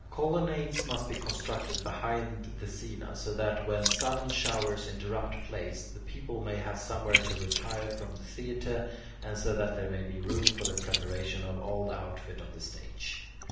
Colonnades must be constructed behind the scaena, so that when sudden showers interrupt plays, the people may have somewhere to retire from the theatre, and so that there may be room for the preparation of all the outfit of the stage.